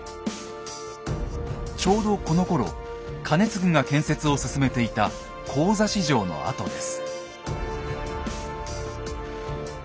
ちょうどこのころ兼続が建設を進めていた神指城の跡です。